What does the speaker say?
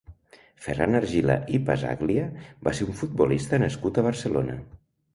Ferran Argila i Pazzaglia va ser un futbolista nascut a Barcelona.